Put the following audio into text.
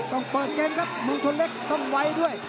ต้องเปิดเกมครับเมืองชนเล็กต้องไว้ด้วย